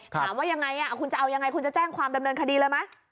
ถามว่ายังไงคุณจะเอายังไงคุณจะแจ้งความดำเนินคดีเลยไหม